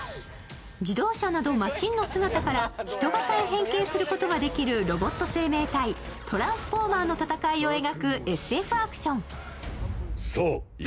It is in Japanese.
自動車などマシンの姿から人型へ変形することができるロボット生命体・トランスフォーマーの戦いを描くＳＦアクション。